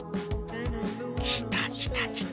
来た来た来た！